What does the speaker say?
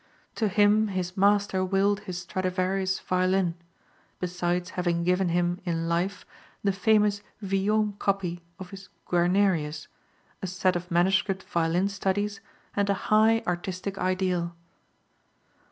To him his master willed his Stradivarius violin, besides having given him in life the famous Vuillaume copy of his Guarnerius, a set of manuscript violin studies and a high artistic ideal.